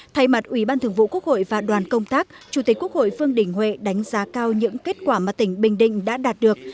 thay mặt ủy ban thường vụ quốc hội và đoàn công tác chủ tịch quốc hội vương đình huệ đánh giá cao những kết quả mà tỉnh bình định đã đạt được